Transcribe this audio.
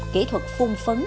kỹ thuật phun phấn